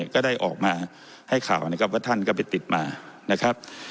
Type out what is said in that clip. ก็ได้ออกมาให้ข่าวนะครับว่าท่านก็ไปติดมานะครับ